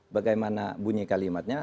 bagaimana bunyi kalimatnya